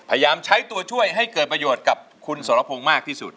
พยายามใช้ตัวช่วยให้เกิดประโยชน์กับคุณสรพงศ์มากที่สุด